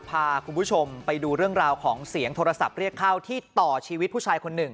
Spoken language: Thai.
พาคุณผู้ชมไปดูเรื่องราวของเสียงโทรศัพท์เรียกเข้าที่ต่อชีวิตผู้ชายคนหนึ่ง